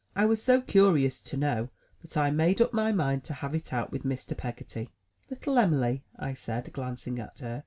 I was so curious to know, that I made up my mind to have it out with Mr. Peggotty. "Little Em'ly," I said, glancing at her.